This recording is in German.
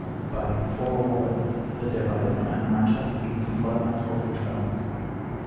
Bei "four-wall" wird der Ball von einer Mannschaft gegen die Vorderwand aufgeschlagen.